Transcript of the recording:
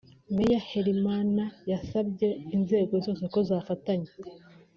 Meya Harelimana yasabye inzego zose ko zafatanya